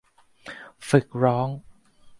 ฝึกร้อง